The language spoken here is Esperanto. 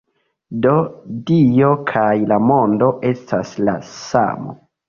Do, Dio kaj la mondo estas la samo.